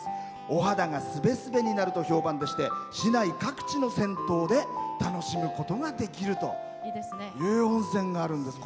お肌がすべすべになると評判でして市内各地の銭湯で楽しむことができるという温泉があるんです。